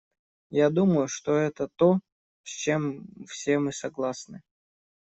Я думаю, что это то, с чем все мы согласны.